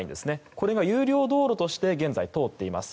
これが有料道路として現在、通っています。